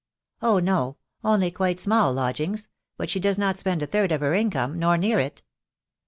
"Oh, ho ... .only quite *mall lodgings: but she does not spend a third *>f her income, nor near it."